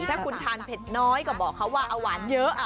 ถ้าคุณทานเผ็ดน้อยก็บอกเขาว่าเอาหวานเยอะ